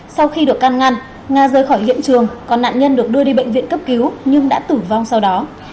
sau khi được can ngăn ngà rơi khỏi hiện trường còn nạn nhân được đưa đi bệnh viện cấp cứu nhưng đã tử vong sau đó